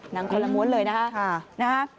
หนังคนละม้วนเลยนะฮะ